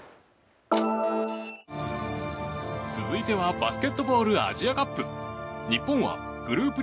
続いてはバスケットボールアジアカップ。